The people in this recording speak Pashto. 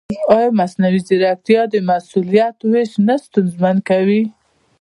ایا مصنوعي ځیرکتیا د مسؤلیت وېش نه ستونزمن کوي؟